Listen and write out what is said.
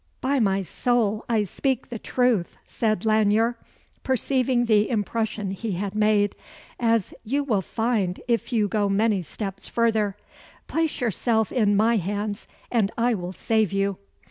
"By my soul, I speak the truth," said Lanyere, perceiving the impression he had made, "as you will find if you go many steps further. Place yourself in my hands, and I will save you."